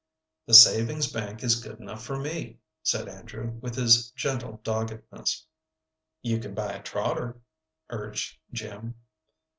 "The savings bank is good enough for me," said Andrew, with his gentle doggedness. "You can buy a trotter," urged Jim.